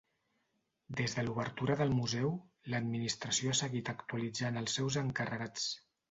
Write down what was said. Des de l'obertura del museu, l'administració ha seguit actualitzant els seus encarregats.